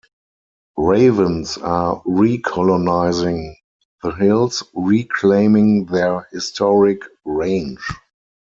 Ravens are recolonizing the hills, reclaiming their historic range.